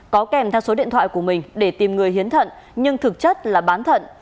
có kèm theo số điện thoại của mình để tìm người hiến thận nhưng thực chất là bán thận